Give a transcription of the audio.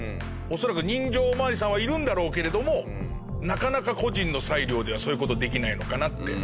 恐らく人情お巡りさんはいるんだろうけれどもなかなか個人の裁量ではそういう事できないのかなって。